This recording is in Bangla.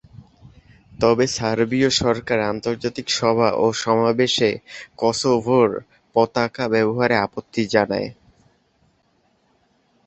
তবে, সার্বীয় সরকার আন্তর্জাতিক সভা ও সমাবেশে কসোভোর পতাকা ব্যবহারের আপত্তি জানায়।